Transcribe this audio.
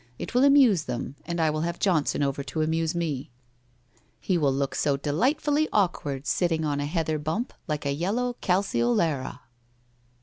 It will amuse them, and I will have Johnson over to amuse me. He will look 76 WHITE ROSE OF WEARY LEAF so delightfully awkward sitting on a heather bump, like a yellow calceolaria